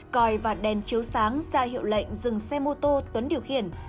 còi và đèn chiếu sáng ra hiệu lệnh dừng xe mô tô tuấn điều khiển